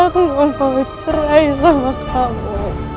aku mau bawa cerai sama kamu